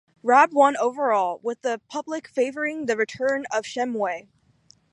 Rab won overall, with the public favouring the return of "Shenmue".